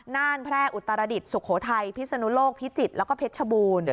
น่านแพร่อุตรดิษฐสุโขทัยพิศนุโลกพิจิตรแล้วก็เพชรชบูรณ์